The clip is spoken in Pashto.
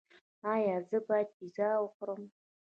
ایا زه باید پیزا وخورم؟